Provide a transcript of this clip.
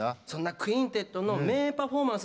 「クインテット」の名パフォーマンス